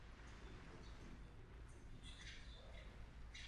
Všechny jsou integrovány do jednotného prostředí se společnou správou uživatelů a úloh.